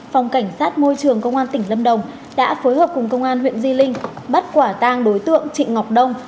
phòng cảnh sát môi trường công an tỉnh lâm đồng đã phối hợp cùng công an huyện di linh bắt quả tang đối tượng trịnh ngọc đông